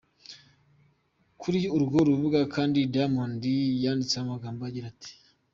Kuri urwo rubuga kandi Diamond yanditseho amagambo agira ati.